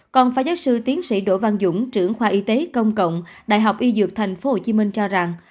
còn phó giáo sư tiến sĩ đỗ văn dũng trưởng khoa y tế công cộng đại học y dược tp hcm cho rằng